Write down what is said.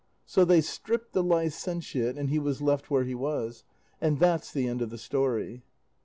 So they stripped the licentiate, and he was left where he was; and that's the end of the story."